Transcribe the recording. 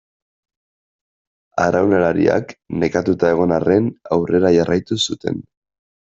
Arraunlariak nekatuta egon arren aurrera jarraitu zuten.